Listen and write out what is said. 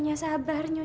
ibu sabar ibu